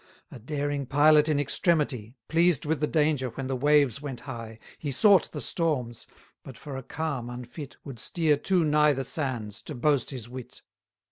A daring pilot in extremity; Pleased with the danger, when the waves went high, 160 He sought the storms; but for a calm unfit, Would steer too nigh the sands, to boast his wit.